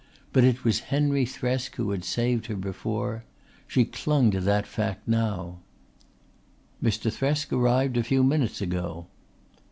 But it was Henry Thresk who had saved her before. She clung to that fact now. "Mr. Thresk arrived a few minutes ago."